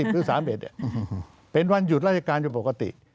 คือ๓๑เป็นวันหยุดราชการอยู่ปกติ